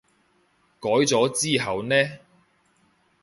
改咗之後呢？